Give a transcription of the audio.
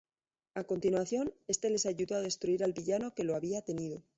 A continuación, este les ayudó a destruir al villano que lo había tenido.